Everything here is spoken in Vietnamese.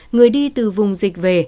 người đi từ vùng dịch về